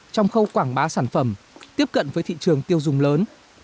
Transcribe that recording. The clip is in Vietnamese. trong khâu quảng bá sản phẩm tiếp cận với thị trường tiêu dùng lớn